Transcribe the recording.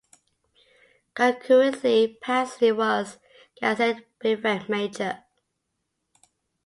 Concurrently, Pasley was gazetted brevet major.